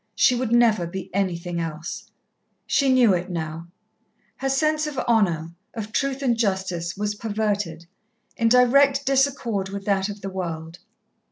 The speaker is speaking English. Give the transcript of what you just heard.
She would never be anything else. She knew it now. Her sense of honour, of truth and justice, was perverted in direct disaccord with that of the world.